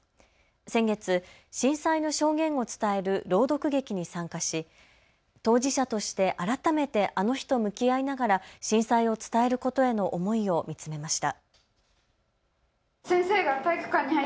先月、震災の証言を伝える朗読劇に参加し当事者として改めてあの日と向き合いながら震災を伝えることへの思いを見つめました。